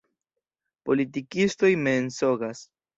Politikistoj mensogas.